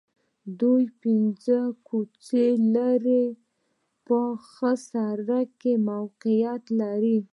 دوی پنځه کوڅې لرې په پاخه سړکونو کې موقعیت لري